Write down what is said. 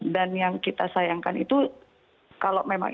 dan yang kita sayangkan itu kalau memang itu